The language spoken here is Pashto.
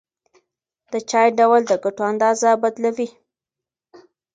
د چای ډول د ګټو اندازه بدلوي.